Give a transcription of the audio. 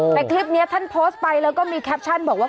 แต่คลิปนี้ท่านโพสต์ไปแล้วก็มีแคปชั่นบอกว่า